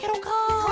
そう。